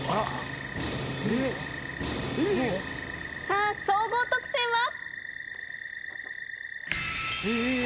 さあ総合得点は。